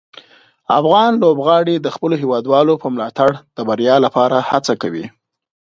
افغان لوبغاړي د خپلو هیوادوالو په ملاتړ د بریا لپاره هڅه کوي.